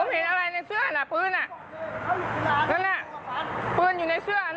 แล้วเดี๋ยวเล่าความคลิปกันก่อน